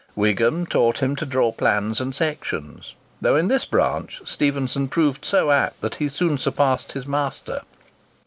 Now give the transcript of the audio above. Wigham taught him to draw plans and sections; though in this branch Stephenson proved so apt that he soon surpassed his master.